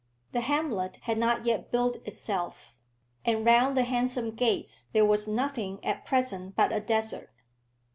The hamlet had not yet built itself, and round the handsome gates there was nothing at present but a desert.